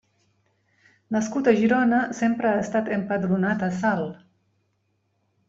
Nascut a Girona, sempre ha estat empadronat a Salt.